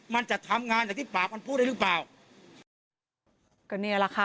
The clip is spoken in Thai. มันจะทำงานอย่างที่ปากมันพูดได้หรือเปล่าก็เนี่ยแหละค่ะ